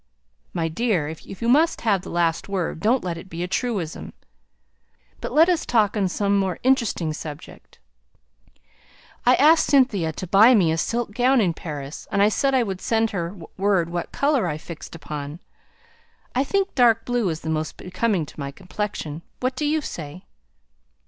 "My dear, if you must have the last word, don't let it be a truism. But let us talk on some more interesting subject. I asked Cynthia to buy me a silk gown in Paris, and I said I would send her word what colour I fixed upon I think dark blue is the most becoming to my complexion; what do you say?"